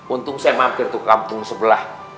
untung saya mampir tuh kampung sebelah